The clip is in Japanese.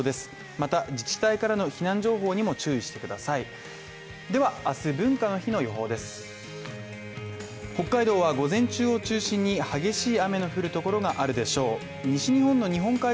また、自治体からの避難情報にも注意してください。